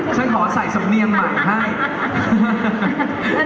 ฉันขอใส่สำเนียงใหม่ให้